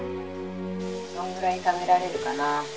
どんぐらい食べられるかな